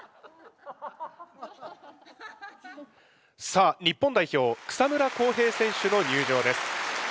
さあ日本代表草村航平選手の入場です。